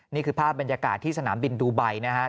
นี่คือภาพบรรยากาศที่สนามบินดูไบนะครับ